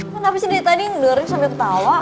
lo nabisi dari tadi ngendur sampe ketawa